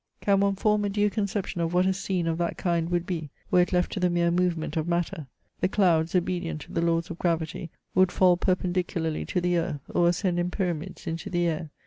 " Can one form a due conception of what a scene of that kind would be, were it left to the mere movement of matter ? The clouds, obedient to the laws of gravity, would fall perpen , dicularly to the earth, or ascend in pyramids into the air.